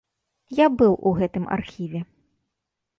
Я быў у гэтым архіве.